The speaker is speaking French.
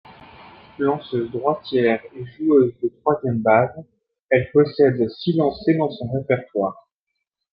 Lanceuse droitière et joueuse de troisième base, elle possède six lancers dans son répertoire.